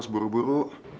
ya aku juga